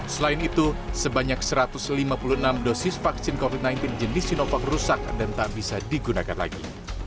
selain itu sebanyak satu ratus lima puluh enam dosis vaksin covid sembilan belas jenis sinovac rusak dan tak bisa digunakan lagi